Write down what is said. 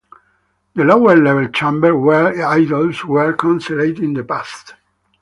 The lower level chamber where idols were concealed in the past.